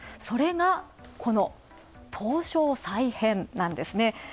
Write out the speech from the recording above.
それが、この東証再編なんですね。